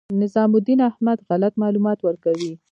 نظام الدین احمد غلط معلومات ورکوي.